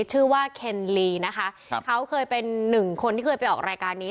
ชื่อว่าเคนลีนะคะครับเขาเคยเป็นหนึ่งคนที่เคยไปออกรายการนี้